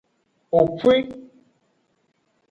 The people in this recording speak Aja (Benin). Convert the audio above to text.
Opwi.